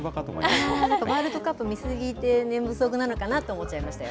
ワールドカップ見過ぎて、寝不足なのかなと思っちゃいましたよ。